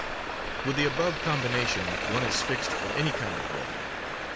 With the above combination one is fixed for any kind of weather.